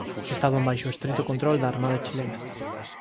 Estaban baixo o estrito control da Armada Chilena.